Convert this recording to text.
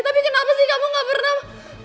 tapi kenapa sih kamu gak pernah